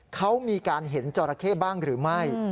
เขามีการเห็นจราเข้บ้างหรือไม่